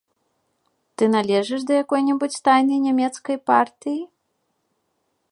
Ты належыш да якой-небудзь тайнай нямецкай партыі?